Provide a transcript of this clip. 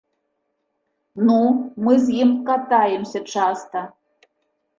Ну, мы з ім катаемся часта.